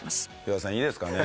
与田さんいいですかね？